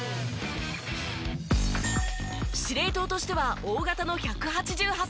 司令塔としては大型の１８８センチ。